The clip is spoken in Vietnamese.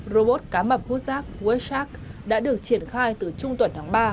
robot cá mập hút rác weshark đã được triển khai từ trung tuần tháng ba